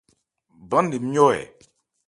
Bán-nne nmyɔ́ ɛ ?